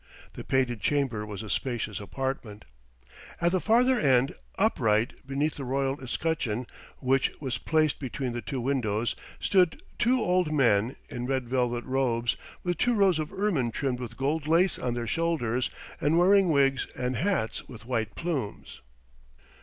The Painted Chamber was a spacious apartment. At the farther end, upright, beneath the royal escutcheon which was placed between the two windows, stood two old men, in red velvet robes, with two rows of ermine trimmed with gold lace on their shoulders, and wearing wigs, and hats with white plumes.